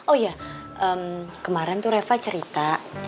oh ya kemarin tuh reva cerita